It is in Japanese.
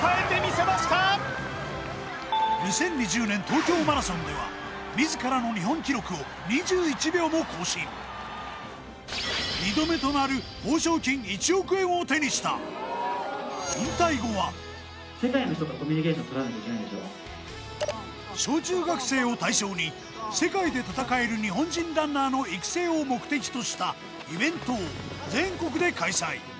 ２０２０年東京マラソンでは自らの日本記録を２１秒も更新２度目となる報奨金１億円を手にした小中学生を対象に世界で戦える日本人ランナーの育成を目的としたイベントを全国で開催